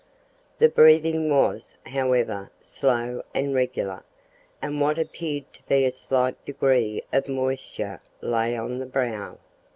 The breathing was, however, slow and regular, and what appeared to be a slight degree of moisture lay on the brow.